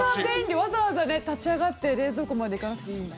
わざわざ立ち上がって冷蔵庫まで行かなくていいんだ。